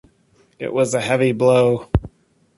It was a heavy blow.